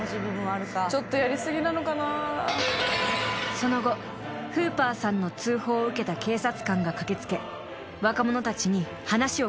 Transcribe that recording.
［その後フーパーさんの通報を受けた警察官が駆け付け若者たちに話を聴く事態に］